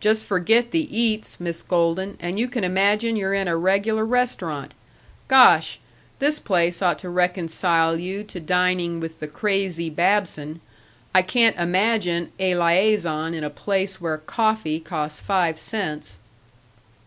"Just forget the eats, Miss Golden, and you can imagine you're in a regular restaurant. Gosh! this place ought to reconcile you to dining with the crazy Babson. I can't imagine a liaison in a place where coffee costs five cents."